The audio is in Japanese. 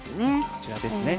こちらですね。